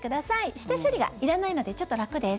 下処理がいらないのでちょっと楽です。